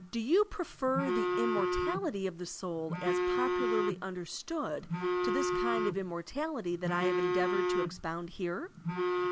Do you prefer the immortality of the soul as popularly tmderstood to this kind of immor tality that I have endeavored to expotmd here?